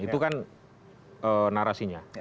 itu kan narasinya